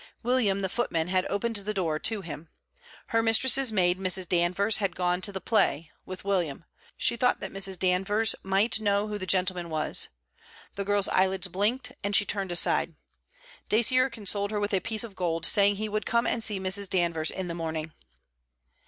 William, the footman, had opened the door to him. Her mistress's maid Mrs. Danvers had gone to the Play with William. She thought that Mrs. Danvers might know who the gentleman was. The girl's eyelids blinked, and she turned aside. Dacier consoled her with a piece of gold, saying he would come and see Mrs. Danvers in the morning.